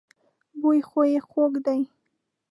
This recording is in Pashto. بوی خو يې خوږ دی.